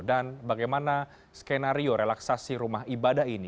dan bagaimana skenario relaksasi rumah ibadah ini